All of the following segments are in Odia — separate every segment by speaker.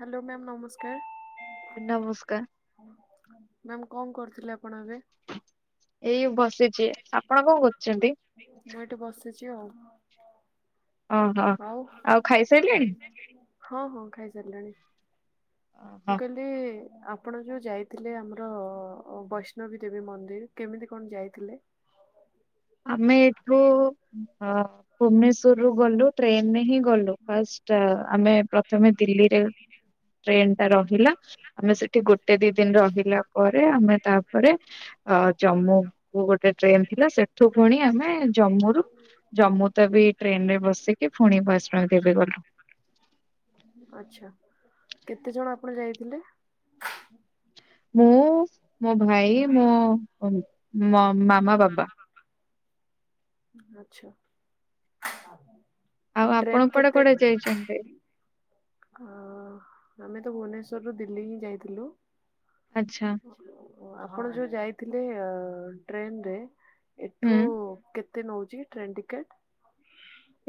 Speaker 1: ହ୍ୟାଲୋ ମ୍ୟାାମ ନମସ୍କାର।
Speaker 2: ନମସ୍କାର।
Speaker 1: ମ୍ୟାମ୍ କଣ କରୁଥିଲେ? ପଣ ଏବେ ଏଇ ବସିଚି ଆପଣ କଣ କରୁଛନ୍ତି ମୁଁ ଏଠି ବସିଛି ଆଉ।
Speaker 2: ଓହୋ
Speaker 1: ଥାଉ ଆଉ ଖାଇ ସାରିଲେଣି? ହଁ ହଁ ଖାଇସାରିଲାଣି। ମୁ
Speaker 2: ଓହୋ,
Speaker 1: କହିଲି ଆପଣ ଯୋଉ ଯାଇଥିଲେ ଆମର ବୈଷ୍ଣବୀ ଦେବୀ ମନ୍ଦିର କେମିତି କଣ ଯାଇଥିଲେ?
Speaker 2: ଆମେ ଏଠୁ ହଁ। ଭୁବନେଶ୍ଵରରୁୁ ଗଲୁ ଟ୍ରେନରେ ହିଁ ଗଲୁ ଫାଷ୍ଟ ଆମେ ପ୍ରଥମେ ଦିଲ୍ଲୀରେ ଟ୍ରେନ ଟା ରହିଲା ଆମେ ସେଠି ଗୋଟେ ଦି ଦିନ ରହିଲା ପରେ ଆମେ ତାପରେ ଜମ୍ମୁକୁୁ ଗୋଟେ ଟ୍ରେନ ଥିଲା ସେ ଠୁ ପୁଣି ଆମେ ଜମୁ ରୁ ଜମ୍ମୁ ତା ବି ଟ୍ରେନ ରେ ବସିକି ପୁଣି ବୈଷ୍ଣ ଦେବୀ ଗଲୁ।
Speaker 1: ଆଚ୍ଛା କେତେ ଜଣ ଯାଇଥିଲେ
Speaker 2: ହୁଁ। ମୋ ଭାଇ ମୋ ମ ମା
Speaker 1: ମାମା ବାପା। ଆଚ୍ଛା।
Speaker 2: ଆଉ ଆପଣ
Speaker 1: ଟ୍ରେନ୍
Speaker 2: କୁଆଡେ
Speaker 1: କେତେ
Speaker 2: କୁଆଡେ ଯାଇଛନ୍ତି?
Speaker 1: ହ ଆମେ ତ ଭୁବନେଶ୍ୱରରୁୁ ଦିଲ୍ଲୀ ହିଁ ଯାଇଥିଲୁ।
Speaker 2: ଆଚ୍ଛା
Speaker 1: ଆପଣ ଯୋଉ ଯାଇଥି ଅ ଟ୍ରେନ ରେ [inaudible]
Speaker 2: ହୁଁ।
Speaker 1: ଏଠୁ କେ ତେ ନଉଚି ଟ୍ରେନ ଟିକେଟ୍?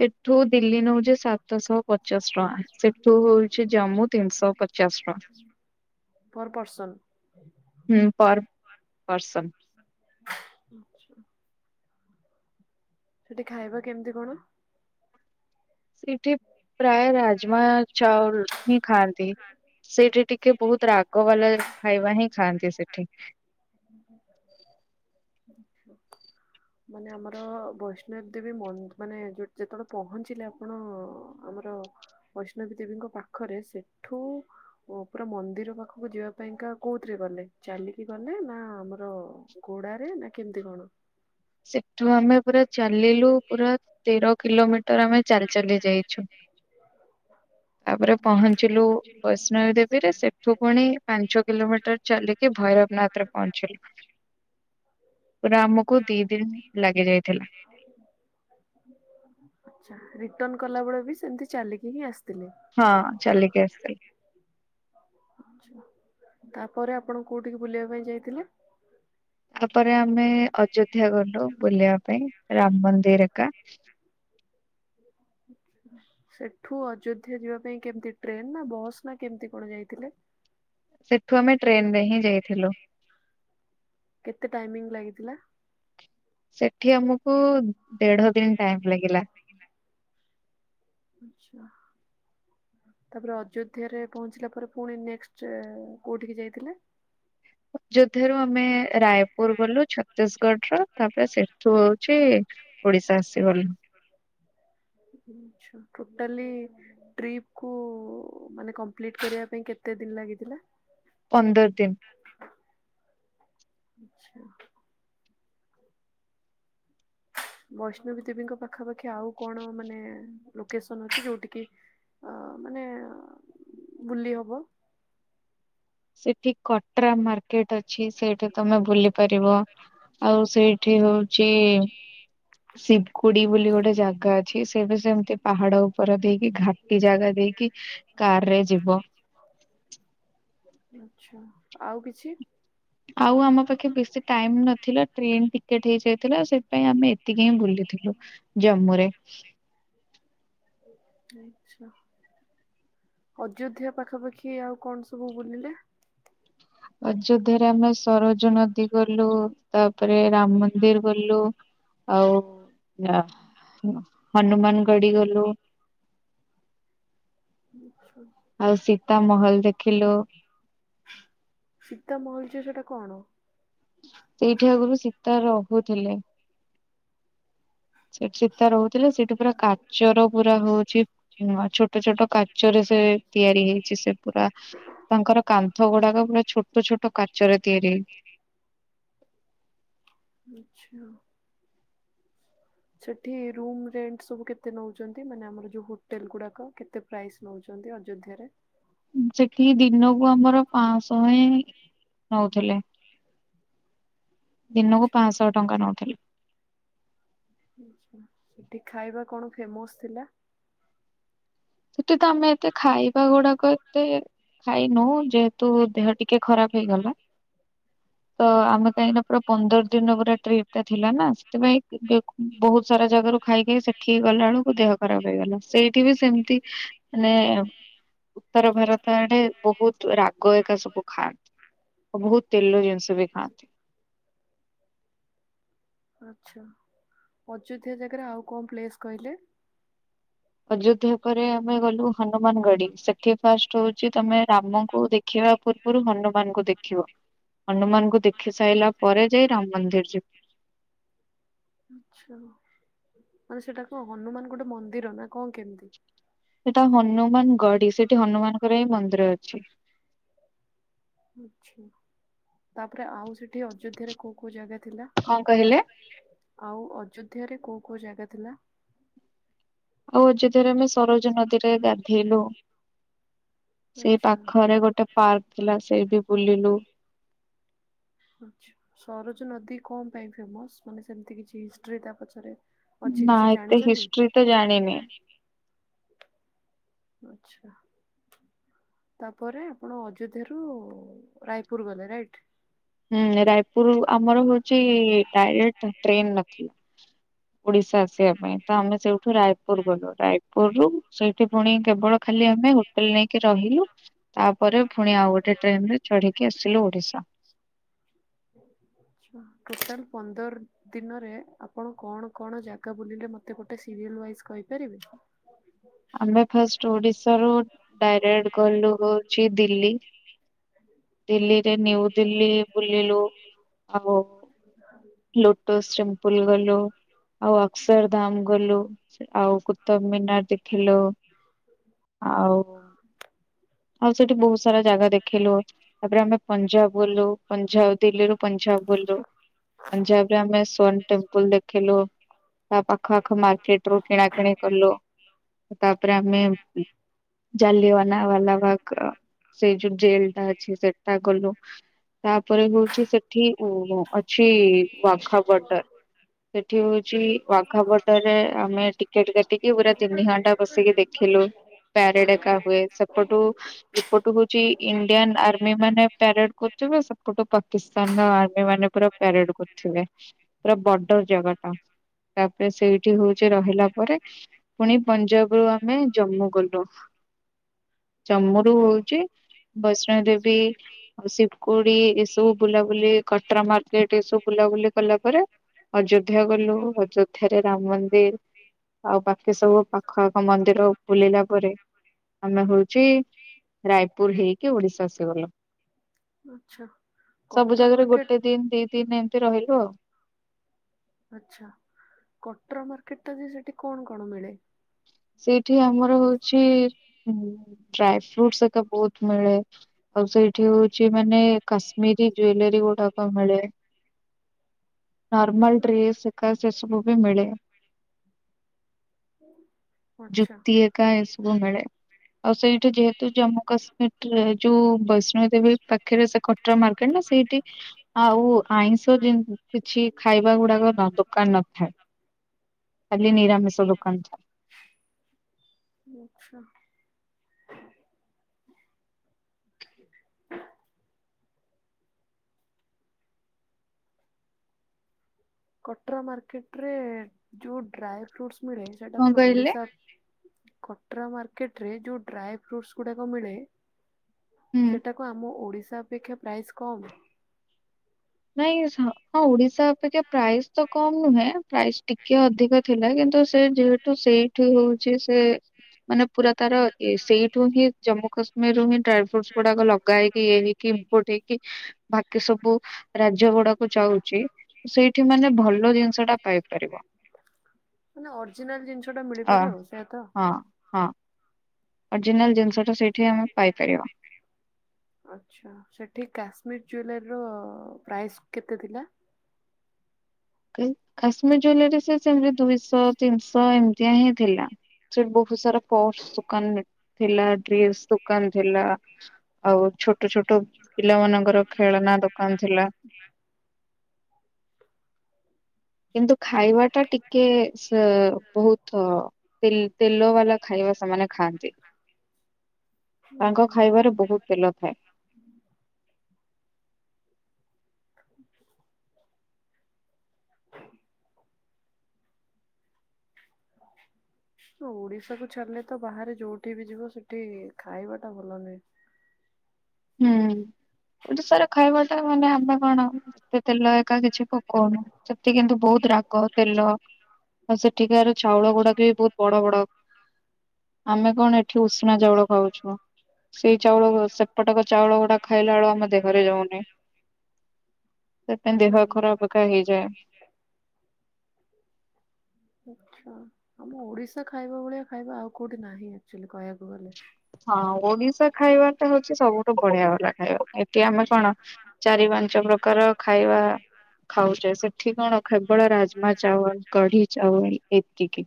Speaker 2: ଏଠୁ ଦିଲ୍ଲୀ ନେଉଛି ସାତଶହ ପଚାଶ ଟଙ୍କା ସେଠୁ ହଉଛି ଜାମ୍ମୁ ତିନିଶହ ପଚାଶ ଟଙ୍କା।
Speaker 1: Per person.
Speaker 2: ହୁଁ ପର ପର୍ସନ।
Speaker 1: ଆଚ୍ଛା। ସେଠି ଖାଇବା କେମିତି କଣ?
Speaker 2: ସେଇଠି ପ୍ରାୟ ରାଜମା ଚାଉଳ ହିଁ ଖାଆନ୍ତି ସେଠି ଟିକେ ବହୁତ ରାଗ ବାଲା ଖାଇବା ହିଁ ଖାଆନ୍ତି ସେଠି।
Speaker 1: ମାନେ ଆମର ବୈଷ୍ଣବ ଦେବୀ ମାନେ ଯେତେବେଳେ ପହଞ୍ଚିଲେ ଆପଣ ଆମର ବୈଷ୍ଣବୀ ଦେବୀଙ୍କ ପାଖରେ ସେଠୁ ପୁରା ମନ୍ଦିର ପାଖକୁ ଯିବା ପାଇଁକା କୋଉଥିରେ ଗଲେ ଚାଲିକି ଗଲେ ନା ଆମର ଘୋଡାରେ ନା କେମିତି କଣ?
Speaker 2: ସେ ଠୁ ଆମେ ପୁରା ଚାଲିଲୁ ପୁରା ତେର କିଲୋମିଟର ଆମେ ଚାଲି ଚାଲି ଯାଇଛୁ ତାପରେ ପହଞ୍ଚିଲୁ ବୈଷ୍ଣବ ଦେବୀରେ ସେଠୁ ପୁଣି ପାଞ୍ଚ କିଲୋମିଟର ଚାଲିକି ଭୈରବନାଥରେ ପହଞ୍ଚିଲୁ। ପୁରା ଆମକୁ ଦି ଦିନ ଲାଗି ଯାଇଥିଲା।
Speaker 1: ଗଲା ବଳେ ବି ସେମିତି ଚାଲିକି ହିଁ ଆସିଛି
Speaker 2: ହଁ ଚାଲିକି ଆସିଥିଲେ।
Speaker 1: ତାପରେ ଆପଣ କୋଉଠିକି ବୁଲିବା ପାଇଁ ଯାଇଥିଲେ?
Speaker 2: ତାପରେ ଆମେ ଅଯୋଧ୍ୟା ଗଲୁ ବୁଲିବା ପାଇଁ। ରାମ ମନ୍ଦିର ଏକା।
Speaker 1: ସେଠୁ ଅଯୋଧ୍ୟା ଯିବା ପାଇଁ କେମତି ଟ୍ରେନ ନା ବସ୍ ନା କେମିତି କଣ ଯାଇଥିଲେ?
Speaker 2: ସେଠୁ ଆମେ ଟ୍ରେନ ରେ ହିଁ ଯାଇଥିଲୁ
Speaker 1: କେତେ ତାଇମିଂ ଲାଗିଥିଲା?
Speaker 2: ସେଠି ଆମକୁ ଦେଢ ଦିନ ଟାଇମ ଲାଗିଲା।
Speaker 1: ଆଚ୍ଛା ତାପରେ ଅଯୋଧ୍ୟରେ ପହଞ୍ଚିଲା ପରେ ପୁଣି ନେଷ୍ଟ୍ କୋଉଠିକି ଯାଇଥିଲେ?
Speaker 2: ଅଯୋଧ୍ୟାରୁ ଆମେ ରାୟପୁର ଗଲୁ ଛତିଶଗଡ ର ତାପରେ ସେଠୁ ହଉଛି। ଓଡିଶା ଆସିଗଲୁ।
Speaker 1: ଆଚ୍ଛା ଟୋଟାଲି ଟ୍ରିପ୍ କୁ ମାନେ କମ୍ପ୍ଲିଟ୍ କରିବା ପାଇଁ କେତେ ଦିନ ଲାଗିଥିଲା?
Speaker 2: ପନ୍ଦର ଦିନ।
Speaker 1: ଆଛା। ବୈଷ୍ଣବୀ ଦେବୀଙ୍କ ପାଖାପାଖି ଆଉ କଣ ମାନେ ଲୋକେସନ ଅଛି ଯୋଉଠୀ କିି ଅ ମାନେ ବୁଲିହବ।
Speaker 2: ସେଠି କଟ୍ରା ମାର୍କେଟ ଅ ଅଛି ସେଇଠି ତମେ ଭୁଲି ପାରିବ ଆଉ ସେଇଠି ହଉଛି। ଶିବ କୁଡି ବୋଲି ଗୋଟେ ଜାଗା ଅଛି ତବେ ସେମିତି ପାହାଡ଼ ଉପରେ ଦେଇ
Speaker 1: ଦେଇକି ଘାଟି ଜାଗା ଦେଇକି ଅ
Speaker 2: ରେ ଯିବ
Speaker 1: କାରେ ଥିବ। ଆଚ୍ଛା ଆଉ କିଛି?
Speaker 2: ଆଉ ଆମ ପାଖେ ବେଶୀ ଟାଇମ ନ ଥିଲା ଟ୍ରେନ୍ ଟିକ୍ କେଟିକି ଯାଇଥିଲା ସେଥିପାଇଁ ଆମେ ଏତିକି ହିଁ ବୁଲିଥିଲୁ ଜମ୍ମୁରେ
Speaker 1: ହୁଁ ଆଛା ଅଯୋଧ୍ୟା ପାଖାପାଖି ଆଉ କଣ ସବୁ ବୁଲିଲେ।
Speaker 2: ଅଯୋଧ୍ୟରେ ଆମେ ସରୋଜ ନଦୀ ଗଲୁ ତାପରେ ରାମ ମନ୍ଦିର ଗଲୁ ଆଉ ନା [unintelligible] ହନୁମାନ ଗଡିଗଲୁ।
Speaker 1: [unintelligible]
Speaker 2: ଆଉ ସୀତା ମହଲ ଦେଖିଲୁ [unintelligible]
Speaker 1: ସେ ସେଟା କଣ,?
Speaker 2: [unintelligible] ସେଇଠି ଆଗରୁ ସୀତା ରହୁଥିଲେ, ଛେଟ୍ ଛେଟ୍ ଟା ଚିତିତାରହୁ ସେଥି ରେ ସେଠା ପୁରା କାଚର ପୁରା ହଉଛି ନା ଛୋଟ୍ ସେ ଛୋଟ କାଚ ରେ ସେ ତିଆରି ହେଇଛି ସେ ପୁରା ତାଙ୍କର କାନ୍ଥ ଗୁଡାକ ପୁରା ଛୋଟ ଛୋଟ କାଟ୍ ଚରେ ତିଆରି [unintelligible]
Speaker 1: ମିଛ, ସେଠି ରୁ ରେଟ୍ ସବୁ କେତେ ନଉଛନ୍ତି ମାନେ ଆମର ଯୋଉ ହୋଟେଲ ଗୁଡ଼ାକ କେତେ ପ୍ରାଇସ୍ ନେଉଛନ୍ତି ଅଯୋଧ୍ୟରେ?
Speaker 2: ସେଠି ଦିନକୁ ଆମର ପାଶହେ ନୈଉ ଥିଲେ, ଦିନକୁ
Speaker 1: ଆଛା
Speaker 2: ପାଶହ ଟଙ୍କା ନଉଥିଲି,
Speaker 1: ଆଛା ସେଠି ଖାଇବା କଣ ଫେମସ୍ ଥିଲା [unintelligible]
Speaker 2: ସେ ତ ଆମେ ଏତେ ଖାଇବା ଗୁଡାକ ଏତେ ଖାଇନୁ ଯେହେତୁ ଦେହ ଟିକେ ଖରାପ ହେଇଗଲା ତଆ ଆମେ କାହିଁକି ନା ପୁରା ପନ୍ଦର ଦିନ ପୁରା ଟ୍ରିପ ଟା ଥିଲା ନା ସେ ସେଥି ପାଇଁ ଟିକେ କ ବହୁତ ସାରା ଜାଗାରୁ ଖାଇ ଖାଇକି ସେଠିକି ଗଲା ବେଳକୁ ଦେହ ଖରାପ ହେଇଗଲା ସେଇଠି ବି ସେମତି [unintelligible] ମାନେ ଅପ୍, ଉତ୍ତର ଭାରତ ଆଡ଼େ ବହୁତ ରାଗ ଏକା ସବୁ ଖାଆନ୍ତି ଓ ବହୁତ ତେଲ ଜିନିଷ ବି ଖାଆନ୍ତି,
Speaker 1: ଆଛା ଅଯୋଧ୍ୟା ଜାଗାରେ ଆଉ କଣ ପ୍ଲେସ୍ କହିଲେ?
Speaker 2: ଅଯୋଧ୍ୟା ପରେ ଆମେ ଗଲୁ ହନୁମାନ ଗଡି ସେଠି ଫାଷ୍ଟ ହଉଛି ତମେ ରାମକୁ ଦେଖିବା ପୂର୍ବରୁ ହନୁମାନଙ୍କୁ ଦେଖିବ ହନୁମାନଙ୍କୁ ଦେଖି ସାରିଲା ପରେ ଜୟ ରାମ ମନ୍ଦିର ଯ
Speaker 1: ଆଛା ମାନେ ସେଟା କଣ ହନୁମାନ ଗୋଟେ ମନ୍ଦିର ନା କଣ କେମିତି
Speaker 2: ସେଟା ହନୁମାନ ଗଢ ସେଠି ହନୁମାନଙ୍କର ହିଁ ମନ୍ଦିର ଅଛି
Speaker 1: ଛା ତାପରେ ଆଉ ସେଠି ଅଯୋଧ୍ୟରେ କୋଉ କୋଉ ଜାଗା
Speaker 2: କଣ କହିଲେ?
Speaker 1: ଆଉ ଅଯ ମଧ୍ୟରେ କୋଉ କୋଉ ଜାଗା ଥିଲା
Speaker 2: ଆଉ ଅଯୋଧ୍ୟାରେ ଆମେ ସରୋଜ ନଦୀରେ ଗାଧେଇଲୁ ସେଇ
Speaker 1: ଆଛା
Speaker 2: ପାଖରେ ଗୋଟେ ପାର୍କ ଥିଲା ସେଇ ବି ବୁଲିଲୁ [unintelligible]
Speaker 1: ଆଛା ସରୋଜ ନଦୀ କଣ ପାଇଁ ଫେମସ ମାନେ ସେମିତି କିଛି ହିଷ୍ଟ୍ରି ତା ପଛରେ ଅଛି
Speaker 2: ନା
Speaker 1: କିଛି
Speaker 2: ଏତେ
Speaker 1: ଜାଣିଛନ୍ତି
Speaker 2: ହିଷ୍ଟ୍ରି ତ ଜାଣିନି
Speaker 1: ଆଛା [inaudible] ତାପରେ ଆପଣ ଅଯୋଧ୍ୟ ରୁ ରାୟପୁର ଗଲେ ରାଇଟ।
Speaker 2: ହୁଁ ରାୟପୁର ଆମର ହଉଛି ଡାଇରେକ୍ଟ ଟ୍ରେନ। [inaudible] ଓଡିଶା ଆସିବା ପାଇଁ ତ ଆମେ ସେଇଠୁ ରାୟପୁର ଗଲୁ। ରାୟପୁରରୁୁ ସେଇଠି ପୁଣି କେବଳ ଖାଲି ଆମେ ହୋଟେଲ ନେଇକି ରହିଲୁ। ତାପରେ ପୁଣି ଆଉ ଗୋଟେ ଟ୍ରେନରେ ଚଢିକି ଆସିଲୁ ଓଡିଶା।
Speaker 1: [inaudible] ଟୋଟାଲ ପନ୍ଦର ଦିନରେ ଆପଣ କଣ କଣ ଜାଗା ବୁଲିଲେ। ମତେ ଗୋଟେ ସିରିଏଲ ୱାଇଜ କହିପାରିବେ?
Speaker 2: ଆମେ ଫାଷ୍ଟ ଓଡିଶ ର ଡାଇରେକ୍ଟ ଗଲୁ ହଉଛି ଦିଲ୍ଲୀ। ଦିଲ୍ଲୀରେ ନିଉ ଦିଲ୍ଲୀ ବୁଲିଲୁ ଆଉ ଲୋଟୋସ ଟେମ୍ପଲ ଗଲୁ। ଆଉ ଅକସରଧାମ ଗଲୁ। ଆଉ କୁ ତମିଲନାଟ ଦେଖିଲୁ [inaudible] ଆଉ [inaudible] ଆଉ ସେଠି ବହୁତ ସାରା ଜାଗା ଦେଖିଲୁ। ତାପରେ ଆମେ ପଞ୍ଜାବ ଗଲୁ ପଞ୍ଜାବ ଦିଲ୍ଲୀରୁୁ ପଞ୍ଜାବ ଗଲୁ। ପଞ୍ଜାବ ରେ ଆମେ ସନ ଟେମ୍ପୁଲ ଦେଖିଲୁ। ତା ପାଖ ଆଖ ମାର୍କେଟ ରୁ କିଣାକିଣି କଲୁ। ତାପରେ ଆମେ ଜାଲିଆନାବାଲାବାଗ ସେଇ ଯୋଉ ଜେଲଟା ସେଟା ଗଲୁ ତାପରେ ହଉଛି ସେଠି ଉ ଅଛି ବାଘା ବର୍ଡର। ସେଠି ହଉଛି ବାଘା ବର୍ଡର ରେ ଆମେ ଟିକେଟ କାଟିକି ପୁରା ତିନି ଘଣ୍ଟା ବସିକି ଦେଖିଲୁ ପ୍ୟାରେଡ ଏକା ହୁଏ। ସେପଟୁ ଏପଟୁ ହଉଛି ଇଣ୍ଡିଆନ ଆ ଆମ ମାନ ପ୍ୟାରେଡ କରୁଥିବେ। ସେଟୁ ପାକିସ୍ତାନ ର ଆର୍ମି ମାନେ ପ ପ୍ୟାରେଡ କରୁଥିବେ। ପୁରା ବଡ ଜାଗା ଟା ତାପରେ ସେଇଠି ହଉଛି ରହିଲା ପରେ ପୁଣି ପଞ୍ଜାବ ରୁ ଆମେ ଜମ୍ମୁ ଗଲୁ। [inaudible] ଜମ୍ମୁ ରୁ ହଉଛି ବୈଷ୍ଣବୀ ଦେବୀ ଶିବ କୋଡି ଏସବୁ ବୁଲାବୁଲି କଟରା ମାର୍କେଟ ଏସବୁ ବୁଲାବୁଲି କଲା ପରେ ଅଯୋଧ୍ୟା ଗଲୁ। ଅଯୋଧ୍ୟାରେ ରାମ ମନ୍ଦିର ଆଉ ବା ସବୁ ପାଖ ଆଖ ମନ୍ଦିର ବୁଲିଲା ପରେ। ଆମେ ହଉଚି ରାୟପୁର ହେଇକି ଓଡିଶା ଆସି
Speaker 1: ଆଚ୍ଛା
Speaker 2: ସବୁ
Speaker 1: କଟରା
Speaker 2: ଜାଗାରେ
Speaker 1: ମାର୍କେଟ
Speaker 2: ଗୋଟେ ଦିନ ଦି ଦିନ ଏମିତି ରହିଲୁ ଆଉ।
Speaker 1: ଆଛା କଟ୍ରା ମାର୍କେଟ ଟା ଯେ ସେଟି କଣ କଣ ମିଳେ?
Speaker 2: ସେଇଠି ଆମର ହଉଛି ଡ୍ରାଇ ଫ୍ରୁଟ ଏକା ବହୁତ ମିଳେ ଆଉ ସେଇଠି ହଉ ମାନେ କାଶ୍ମୀରୀ ଜୁଏଲାରୀ ଗୁଡାକ ମିଳେ? ନର୍ମାଲ ଡ୍ରେସ୍ ଏକା ସେ ସବୁ ବି ମିଳେ?
Speaker 1: ଆଚ୍ଛା
Speaker 2: ଯୁକ୍ତି ହେକା ଏସବୁ ମିଳେ ଆଉ ସେଇଠୁ ଯେହେତୁ ଜାମ୍ମୁ କାଶ୍ମୀର ଟ୍ରା ଠୁ ବସ ବୈଷ୍ଣଦେବୀ ପାଖରେ ସେ କଟରା ମାର୍କେଟ ନା ସେଇଠି ଆଉ ଆଇଁଷ ଜିନ କିଛି ଖାଇବା ଗୁଡାକ ନା ଦୋକାନ ନଥାଏ। [inaudible] ଖାଲି ନିରାମିଷ ଦୋକାନ ଥାଏ।
Speaker 1: [inaudible] ଆଚ୍ଛା। କଟରା ମାର୍କେଟ ରେ ଯୋଉ ଡ୍ରାଏ ଫ୍ରୁଡସ ମିଳେ ସେଟା କଣ ଓଡିଶା କଟରା ମାର୍କ ମାର୍କେଟରେ ଯେଉଁ ଡ୍ରାଏ ଫ୍ରୁଇଟ୍ସ ଗୁଡ଼ାକ ମିଳେ
Speaker 2: ହୁଁ
Speaker 1: ସେଟାକୁ ଆମ ଓଡିଶା ଅପେକ୍ଷା ପ୍ରାଇସ୍ କମ୍
Speaker 2: ନାଇଁ ସ ହଁ ଓଡ଼ିଶା ଡିଶା ଅପେକ୍ଷା ପ୍ରାଇସ ତ କମ୍ ନୁହେଁ ପ୍ରାଇସ୍ ଟିକେ ଅଧିକ ଥିଲା କିନ୍ତୁ ସେ ଯେହେତୁ ସେଇଠି ହଉଛି ସେ ମାନେ ପୁରା ତାର ଏ ସେଇଠୁ ହିଁ ଜାମ୍ମୁ କାଶ୍ମୀର ମେରୁ ହିନ ଡ୍ରାଇ ଫ୍ରୁଟସ ଗୁଡାକ ଲଗା ହେଇକି ଇଏ ହେଇକି ଇମ୍ପୋର୍ଟ ହେଇକି ବାକି ସବୁ କାଜୁ ଗୁଡାକ ଯାଉଛି ସେଇଠି ମାନେ ଭଲ ଜିନିଷ ଟା ପାଇପାରିବ
Speaker 1: ମାନେ ଅରିଜିନାଲ ଜିନିଷ ଟା
Speaker 2: ଅ
Speaker 1: ମିଳିପାରେ ଆଉ
Speaker 2: ହଁ ହଁ ଅରିଜିନାଲ ଜିନିଷ ଟା ସେଇଠି ଆମେ ପାଇପାରିବା
Speaker 1: ଆଛା ସେଠି କାଶ୍ମୀର ଜୁଏଲାରୀ ତ ଅ ଅ ପ୍ରାଇସ କେତେ ଥିଲା।
Speaker 2: କାଶ୍ମୀର ଜୁଏଲାରୀ ସେମତି ଦୁଇଶହ ତିନିଶହ ଏମିତିଆ ହିଁ ଥିଲା। ସେଠି ବହୁତ ସାରା ପର୍ସ ଦୋକାନ ଥିଲା ଡ୍ରେସ ଦୋକାନ ଥିଲା। ଆଉ ଛୋଟ ଛୋଟ ପିଲାମାନଙ୍କ ଙ୍କର ଖେଳନା ଦୋକାନ ଥିଲା କିନ୍ତୁ ଖାଇବା ଟା ଟିକେ ସ ବହୁତ ଅ ତେ ତେଲ ବାଲା ଖାଇବା ସେମାନେ ଖାଆନ୍ତି। ତାଙ୍କ ଖାଇବାରେ ବହୁତ ତେଲ ଥାଏ।
Speaker 1: ହ [unintelligible] ଓଡିଶାକୁୁ ଛାଡିଲେ ତ ବାହାରେ ଯୋଉଠି ବି ଯିବ ସେଠି ଖାଇବା ଟା ଭଲ ନୁହେଁ।
Speaker 2: ହୁଁ ଓଡିଶାରା ଖାଇବା ଟା ମାନେ ଆମେ କଣ ଏତେ ତେଲ ଫ୍ ପକା କିଛି ପକଉନି ସେଠି କିନ୍ତୁ ବହୁତ ରାଗ ତେଲ ହଉ ସେଠିକାର ଚାଉଳ ଗୁଡାକ ବି ବହୁତ ବଡ ବଡ। ଆମେ କଣ ଏଠି ଉଷୁନା ଚାଉଳ ଖାଉଛୁ। ସେଇ ଚାଉଳ ସେ ପଟକ ଚାଉଳ ଗୁଡା ଖାଇଲା ବେଳୁ ଆମେ ଦେହରେ ଯାଉନି। ତା ପାଇଁ ଦେହ
Speaker 1: ହୁଁ
Speaker 2: ଖରାପ ରଖା [inaudible] ହେଇଯାଏ।
Speaker 1: ଆଛା ଆମ ଓଡିଶା ଖାଇବା ଭଳିଆ ଖାଇବା ଆଉ କୋଉଠି ନାହିଁ ଆକଚୁଅଲି କହିବାକୁ ଗଲେ।
Speaker 2: ହଁ ଓଡିଶା ଖାଇବା ଟା ହଉଛି ସବୁଠୁ ବଢିଆ ବାଲା ଖାଇବା। ଆମେ କଣ ଚାରି ପାଞ୍ଚ ପ୍ରକାର ଖାଇବା ଖାଉଛେ ସେଠି କଣ କେବଳ ରାଜମା ଚାଉଳ, କଢି ଚାଉଳ ଏତିକି।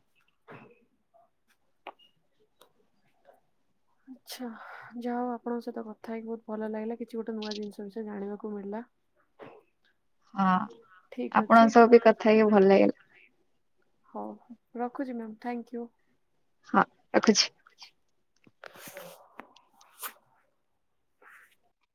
Speaker 1: ଆଛା ଯାହା ହଉ ଆପଣଙ୍କ ସହିତ କଥା ହେଇକି ବହୁତ ଭଲ ଲାଗିଲା କିଛି ଗୋଟେ ନୂଆ ଜିନିଷ ବିଷୟ ଜାଣିବାକୁ ମିଳିଲା।
Speaker 2: ହଁ
Speaker 1: ଠିକ ଅଛି
Speaker 2: ଆପଣଙ୍କ ସହ ବି କଥା ହେଇକି ଭଲ ଲାଗିଲା।
Speaker 1: ହଉ ରଖୁଛି ମ୍ୟାମ। ଥ୍ୟାଙ୍କୟୁ।
Speaker 2: ହଁ ରଖୁଛି।
Speaker 1: [inaudible]